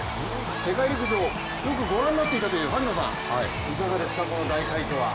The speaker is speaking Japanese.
世界陸上、よくご覧になっていた萩野さん、いかがですか、この大快挙は。